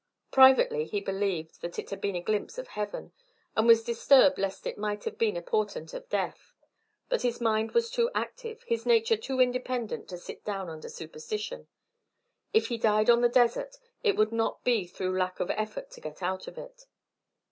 Privately he believed that it had been a glimpse of heaven, and was disturbed lest it might have been a portent of death. But his mind was too active, his nature too independent to sit down under superstition. If he died on the desert, it would not be through lack of effort to get out of it.